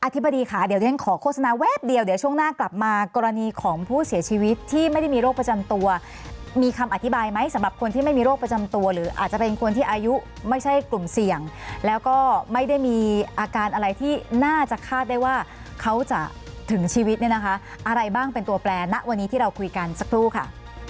ธิบดีค่ะเดี๋ยวที่ฉันขอโฆษณาแวบเดียวเดี๋ยวช่วงหน้ากลับมากรณีของผู้เสียชีวิตที่ไม่ได้มีโรคประจำตัวมีคำอธิบายไหมสำหรับคนที่ไม่มีโรคประจำตัวหรืออาจจะเป็นคนที่อายุไม่ใช่กลุ่มเสี่ยงแล้วก็ไม่ได้มีอาการอะไรที่น่าจะคาดได้ว่าเขาจะถึงชีวิตเนี่ยนะคะอะไรบ้างเป็นตัวแปลณะวันนี้ที่เราคุยกันสักครู่ค่ะ